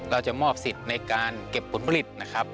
เราจะมอบสิทธิ์ในการเก็บผลผลิตนะครับ